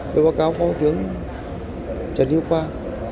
tôi báo cáo phó thủ tướng trần yêu quang